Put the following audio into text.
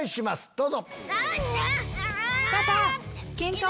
どうぞ。